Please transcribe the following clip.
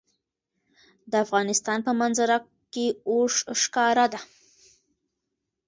د افغانستان په منظره کې اوښ ښکاره ده.